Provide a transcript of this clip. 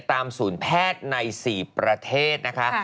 ตามศูนย์แพทย์ใน๔ประเทศนะคะ